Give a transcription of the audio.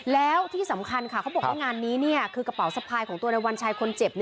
แล้วที่สำคัญค่ะเขาบอกว่างานนี้คือกระเป๋าสะพายของตัวในวันชัยคนเจ็บ